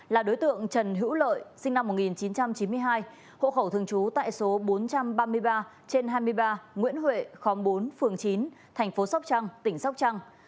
là đối tượng trần hữu lợi sinh năm một nghìn chín trăm chín mươi hai hộ khẩu thường trú tại số bốn trăm ba mươi ba trên hai mươi ba nguyễn huệ khóm bốn phường chín thành phố sóc trăng tỉnh sóc trăng